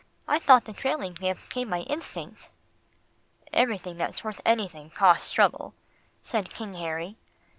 I thought the trailing gift came by instinct." "Everything that's worth anything costs trouble," said King Harry.